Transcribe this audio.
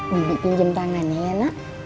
bibi pinjem tangan ya ya nak